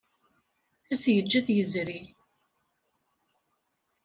Ad t-yeǧǧ ad yezri.